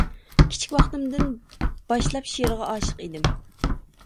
كىچىك ۋاقتىمدىن باغلاپ شېئىرغا ئاشىق ئىدىم.